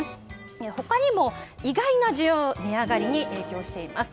他にも意外な需要が値上がりに影響しています。